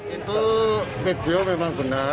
itu video memang benar